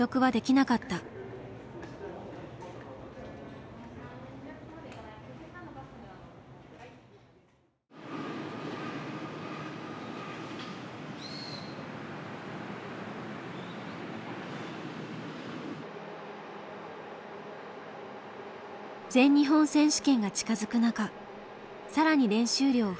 全日本選手権が近づく中更に練習量を増やした。